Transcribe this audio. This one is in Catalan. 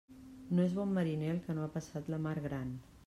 No és bon mariner el que no ha passat la mar gran.